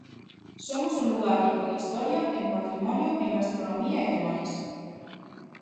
Somos un lugar rico en historia, en patrimonio, en gastronomía e demais.